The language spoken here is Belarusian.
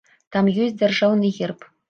Там ёсць дзяржаўны герб.